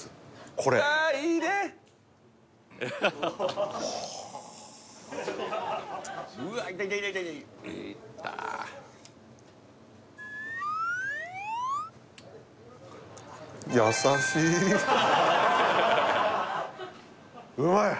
これああいいねほおうわいったいったいったうまい！